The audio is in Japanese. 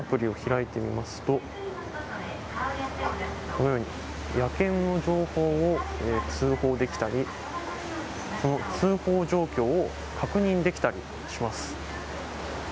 このように野犬の情報を通報できたりその通報状況を確認できたりします。